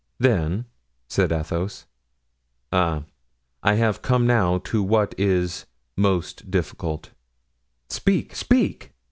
"Then?" said Athos. "Ah, I have come now to what is most difficult." "Speak, speak!